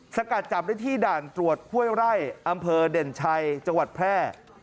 สกัดจับได้ที่ด่านตรวจห้วยไร่อำเภอเด่นชัยจังหวัดแพร่